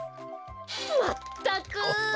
まったく！